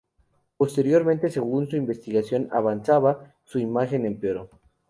Posteriormente, según la investigación avanzaba, su imagen empeoró.